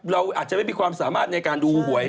เราอาจจะไม่มีความสามารถในการดูหวย